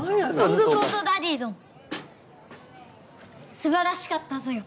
素晴らしかったぞよ。